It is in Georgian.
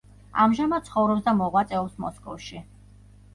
ამჟამად ცხოვრობს და მოღვაწეობს მოსკოვში.